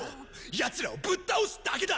ヤツらをぶっ倒すだけだ。